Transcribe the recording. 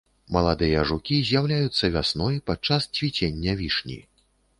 Маладыя жукі з'яўляюцца вясной, падчас цвіцення вішні.